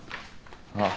ああ。